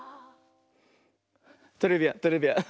トレビアントレビアン。